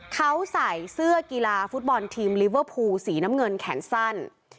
เขาใส่เสื้อกีฬาฟุตบอลทีมลิเวอร์พูลสีน้ำเงินแขนสั้น